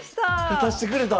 勝たしてくれた！